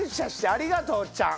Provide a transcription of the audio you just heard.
「ありがとうおっちゃん」。